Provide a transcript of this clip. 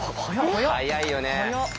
速いよね。